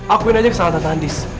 akuin aja kesalahan tante andis ya